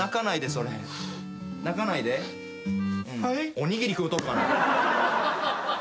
おにぎり食うとったん！？